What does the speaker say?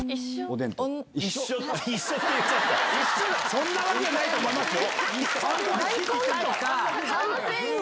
そんなわけないと思いますよ。